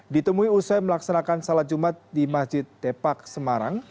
ditemui usai melaksanakan salat jumat di masjid depak semarang